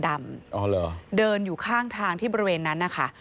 เดินอยู่ข้างทางที่บริเวณนั้นนะคะ